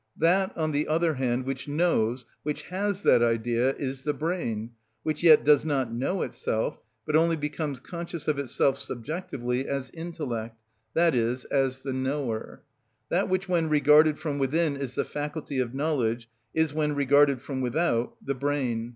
That, on the other hand, which knows, which has that idea, is the brain, which yet does not know itself, but only becomes conscious of itself subjectively as intellect, i.e., as the knower. That which when regarded from within is the faculty of knowledge is when regarded from without the brain.